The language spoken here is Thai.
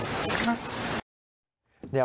ครับ